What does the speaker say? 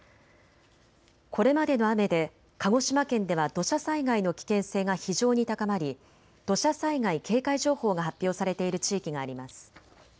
これまでの雨で鹿児島県では土砂災害の危険性が非常に高まり土砂災害警戒情報が発表されている地域があります。